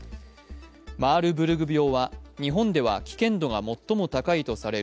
マールブルグ病は日本では危険度が最も高いとされる